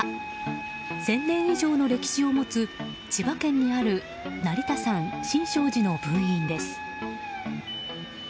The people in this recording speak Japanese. １０００年以上の歴史を持つ千葉県にある成田山新勝寺の分院です。